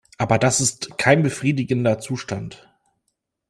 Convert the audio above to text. Aber das ist kein befriedigender Zustand.